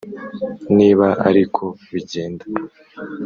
Niba ari ko bigenda,